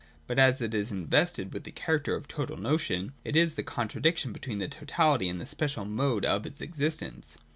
But as it is invested with the character of total notion, it is the contradiction between this totality and the special mode of its existence.